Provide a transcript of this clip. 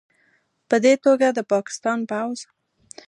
پدې توګه، د پاکستان پوځ